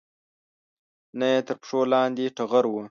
نه یې تر پښو لاندې ټغر و